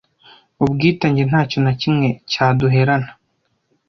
ubwitange nta kintu na kimwe cyaduherana